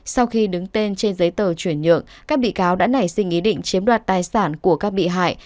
sau khi đứng tên trên giấy tờ chuyển nhượng các bị cáo đã nảy sinh ý định chiếm đoạt tài sản của các bị hại